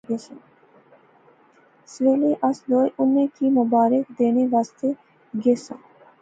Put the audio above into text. سویلے اس دوئے اُناں کی مبارک دینے آسطے گیساں